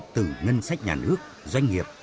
từ ngân sách nhà nước doanh nghiệp